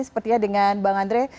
sepertinya dengan bang andre